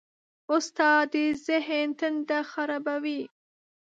استاد د ذهن تنده خړوبوي.